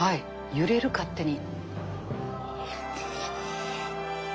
揺れる勝手に。